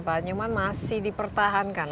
pak nyaman masih dipertahankan